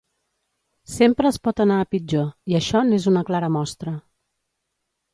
Sempre es pot anar a pitjor i això n’és una clara mostra.